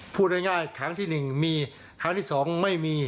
พูดง่ายครั้งที่๑มีครั้งที่๒ไม่มี